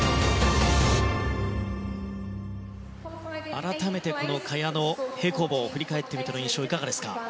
改めて、萱の平行棒を振り返ってみての印象はいかがですか。